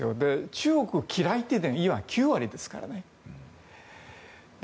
中国を嫌いっていう人が９割ですからね。